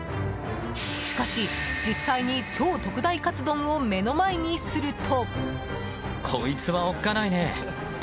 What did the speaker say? しかし、実際に超特大かつ丼を目の前にすると。